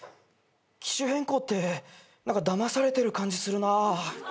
機種変更って何かだまされてる感じするなぁ。